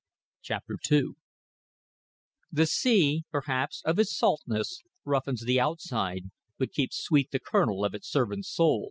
CHAPTER TWO The sea, perhaps because of its saltness, roughens the outside but keeps sweet the kernel of its servants' soul.